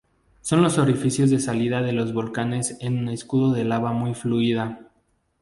Son los orificios de salida de los volcanes en escudo de lava muy fluida.